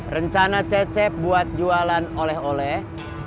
rencana cecep buat jualan oleh oleh